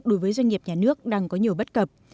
đối với doanh nghiệp nhà nước đang có nhiều bất cập